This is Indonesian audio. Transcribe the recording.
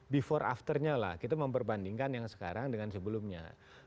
before afternya lah kita memperbandingkan yang sekarang dengan sebelumnya